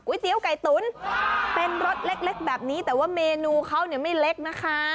เตี๋ยวไก่ตุ๋นเป็นรสเล็กแบบนี้แต่ว่าเมนูเขาเนี่ยไม่เล็กนะคะ